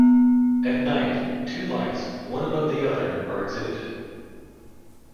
At night, two lights, one above the other, are exhibited.